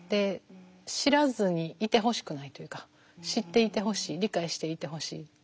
知らずにいてほしくないというか知っていてほしい理解していてほしい。